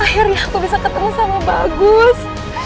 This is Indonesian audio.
akhirnya aku bisa ketemu sama bagus